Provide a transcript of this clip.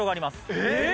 え！